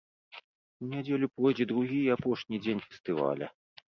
У нядзелю пройдзе другі і апошні дзень фестываля.